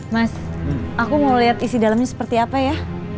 mas aku mau lihat isi dalamnya seperti apa ya